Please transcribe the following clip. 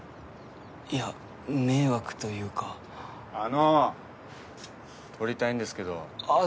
いや迷惑というかあの通りたいんですけどあっ